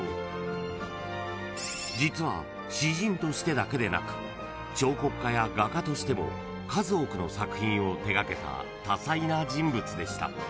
［実は詩人としてだけでなく彫刻家や画家としても数多くの作品を手掛けた多才な人物でした］